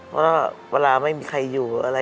เพราะว่าเวลาไม่มีใครอยู่